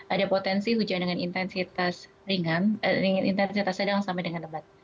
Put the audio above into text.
ada potensi hujan dengan intensitas sedang sampai dengan lebat